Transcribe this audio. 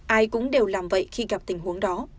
ai cũng đều làm vậy khi gặp tình huống đó